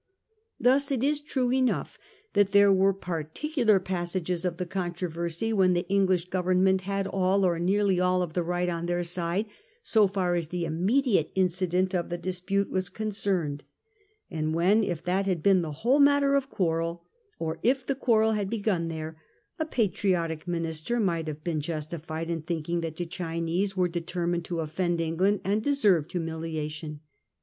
Thus it is true enough that there were par* ticular passages of the controversy when the English Government had all or nearly all of the right on their side so far as the Immediate incident of the dispute was concerned ; and when, if that had been the whole matter of quarrel, or if the quarrel had begun there, a patriotic minister might have been justified in thinking that the C hin ese were determined to offend England and deserved humiliation.